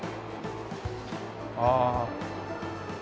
ああ。